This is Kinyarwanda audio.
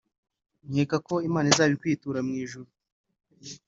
nkeka ko Imana izabikwitura mu ijuru